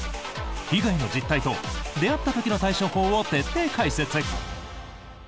被害の実態と出会った時の対処法を徹底解説。